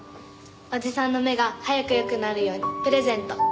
おじさんの目が早く良くなるようにプレゼント。